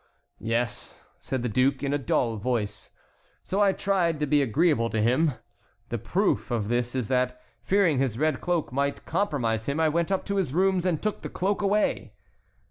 "Yes," said the duke, in a dull voice; "so I tried to be agreeable to him. The proof of this is that, fearing his red cloak might compromise him, I went up to his rooms and took the cloak away."